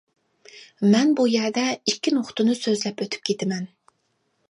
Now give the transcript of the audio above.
مەن بۇ يەردە ئىككى نۇقتىنى سۆلەپ ئۆتۈپ كىتىمەن.